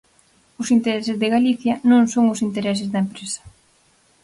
Os intereses de Galicia non son os intereses da empresa.